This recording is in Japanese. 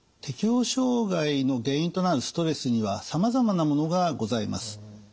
適応障害の原因となるストレスにはさまざまなものがございます。